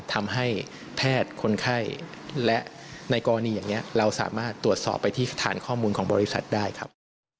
ทำให้แพทย์คนไข้และในกรณีอย่างนี้เราสามารถตรวจสอบไปที่สถานข้อมูลของบริษัทได้ครับ